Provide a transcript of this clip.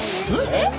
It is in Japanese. えっ！？